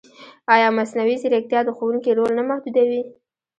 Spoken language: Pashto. ایا مصنوعي ځیرکتیا د ښوونکي رول نه محدودوي؟